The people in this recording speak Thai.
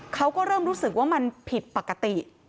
เขาก็เริ่มรู้สึกว่ามันผิดปกติ